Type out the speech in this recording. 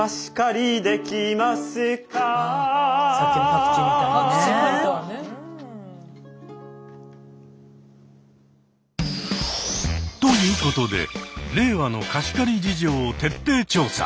パクチー借りたわね。ということで令和の貸し借り事情を徹底調査。